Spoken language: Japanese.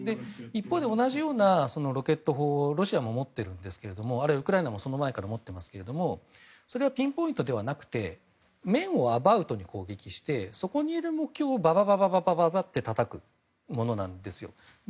一方で同じようなロケット砲をロシアも持っているんですけどもあるいはウクライナもその前から持っていますけれどもそれはピンポイントではなくて面をアバウトに攻撃してそこにいる目標をバババッとたたくものなんですよ。